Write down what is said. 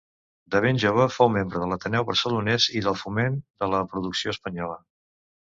De ben jove fou membre de l'Ateneu Barcelonès i del Foment de la Producció Espanyola.